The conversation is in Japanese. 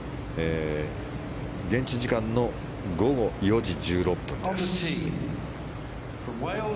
現地時間の午後４時１６分です。